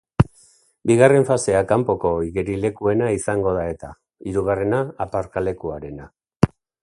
Bigarren fasea kanpoko igerilekuena izango da eta, hirugarrena, aparkalekuarena.